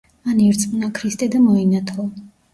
მან ირწმუნა ქრისტე და მოინათლა.